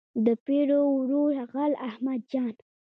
د پیرو ورور غل احمد جان.